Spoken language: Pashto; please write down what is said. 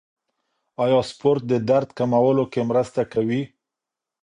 آیا سپورت د درد کمولو کې مرسته کوي؟